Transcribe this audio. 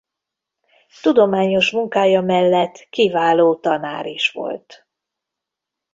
Tudományos munkája mellett kiváló tanár is volt.